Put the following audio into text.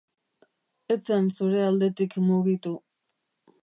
Ez zen zure aldetik mugitu.